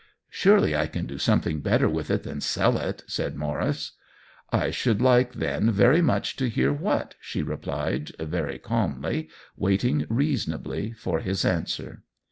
" Surely I can do something better with it than sell it," said Maurice. " I should like, then, very much to hear what," she replied, very calmly, waiting reasonably for his answer.